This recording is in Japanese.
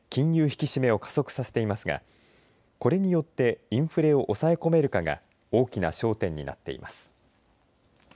引き締めを加速させていますがこれによってインフレを抑え込めるかが大きな焦点になっています。